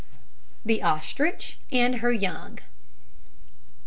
THE OSTRICH AND HER YOUNG.